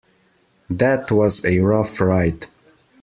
That was a rough ride.